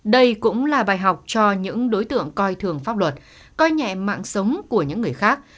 đây cũng là bài học cho những đối tượng coi thường pháp luật coi nhẹ mạng sống của những người khác